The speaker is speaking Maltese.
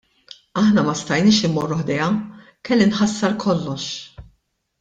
Aħna ma stajniex immorru ħdejha - kelli nħassar kollox.